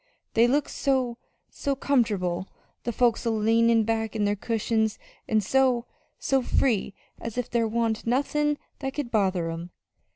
They look so so comfortable the folks a leanin' back on their cushions; an' so so free, as if there wa'n't nothin' that could bother 'em.